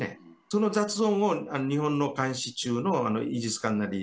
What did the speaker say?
その雑音を日本の監視中のイージス艦なり